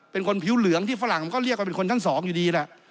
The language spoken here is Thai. เป็นคนผิวเหลืองที่ฝรั่งมันก็เรียกว่าเป็นคนทั้งสองอยู่ดีแหละ